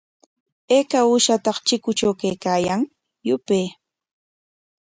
¿Ayka uushata chikutraw kaykan? Yupay.